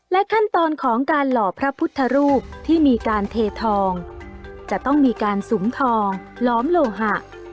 ขั้นตอนของการหล่อพระพุทธรูปที่มีการเททองจะต้องมีการสุมทองล้อมโลหะ